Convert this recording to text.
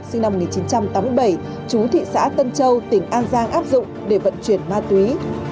sinh năm một nghìn chín trăm tám mươi bảy chú thị xã tân châu tỉnh an giang áp dụng để vận chuyển ma túy